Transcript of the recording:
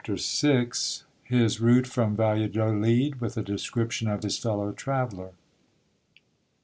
Ch. VI. — His route from Valladolid, with a description of his fellow traveller.